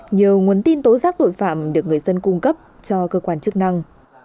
nhiều nguồn tin tố giác tội phạm được người dân cung cấp cho cơ quan chức năng